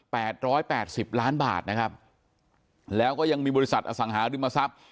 ร้อยแปดสิบล้านบาทนะครับแล้วก็ยังมีบริษัทอสังหาริมทรัพย์